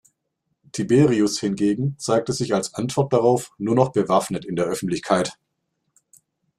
Tiberius hingegen zeigte sich als Antwort darauf nur noch bewaffnet in der Öffentlichkeit.